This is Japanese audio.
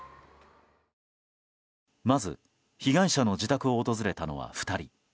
まず被害者の自宅を訪れたのは２人。